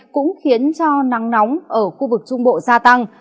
cũng khiến cho nắng nóng ở khu vực trung bộ gia tăng